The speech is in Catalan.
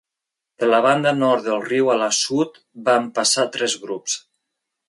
De la banda nord del riu a la sud van passar tres grups.